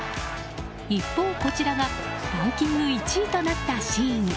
一方、こちらがランキング１位となったシーン。